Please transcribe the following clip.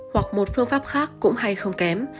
hoặc một phương pháp khác cũng hay không kém